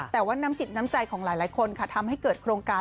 แต่ว่าน้ำจิตน้ำใจของหลายคนค่ะทำให้เกิดโครงการ